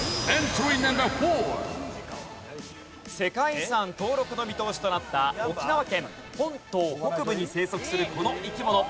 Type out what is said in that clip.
世界遺産登録の見通しとなった沖縄県本島北部に生息するこの生き物。